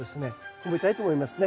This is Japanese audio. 褒めたいと思いますね。